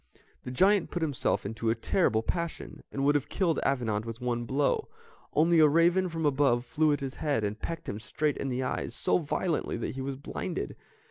The giant put himself into a terrible passion, and would have killed Avenant with one blow, only a raven from above flew at his head, and pecked him straight in the eyes, so violently that he was blinded.